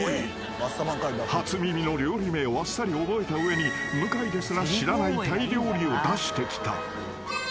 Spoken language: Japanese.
［初耳の料理名をあっさり覚えた上に向井ですら知らないタイ料理を出してきた］